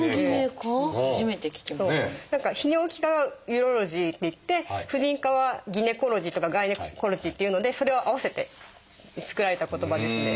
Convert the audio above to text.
泌尿器科は「ウロロジー」っていって婦人科は「ギネコロジー」とか「ガイネコロジー」っていうのでそれを合わせて作られた言葉ですね。